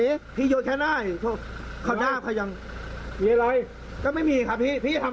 เฮ้ยเพียร้านอะไรพวกเรา